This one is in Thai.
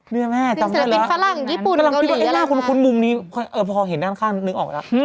ด้วยแม่จำได้แล้วศิลปินฝรั่งญี่ปุ่นเกาหลีอะไรไงศิลปินฝรั่งเกาหลีก็ล่างคุณมุมนี้พอเห็นด้านข้างนึกออกแล้ว